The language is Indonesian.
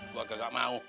yah gua gak mau